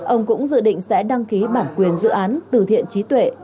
ông cũng dự định sẽ đăng ký bản quyền dự án từ thiện trí tuệ